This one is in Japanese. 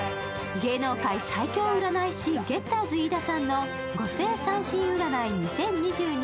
芸能界最強占い師・ゲッターズ飯田さんの「五星三心占い２０２２